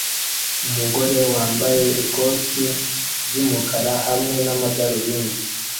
Umugore wambaye ikote ry'umukara hamwe n'amadarubindi